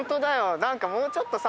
何かもうちょっとさ